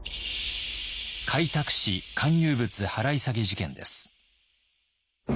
開拓使官有物払下げ事件です。